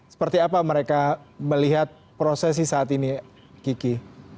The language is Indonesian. seperti apa mereka melihat prosesi saat ini kiki